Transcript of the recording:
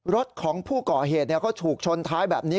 รถของผู้ก่อเหตุก็ถูกชนท้ายแบบนี้